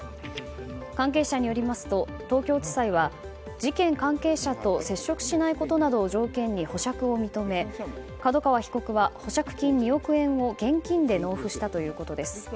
関係者によりますと東京地裁は事件関係者と接触しないことなどを条件に保釈を認め角川被告は保釈金２億円を現金で納付したということです。